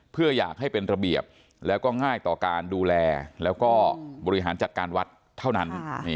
เพื่ออยากให้เป็นระเบียบแล้วก็ง่ายต่อการดูแลแล้วก็บริหารจัดการวัดเท่านั้น